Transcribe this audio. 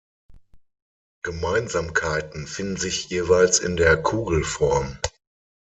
Gemeinsamkeiten finden sich jeweils in der Kugelform.